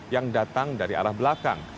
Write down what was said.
yang datang dari arah belakang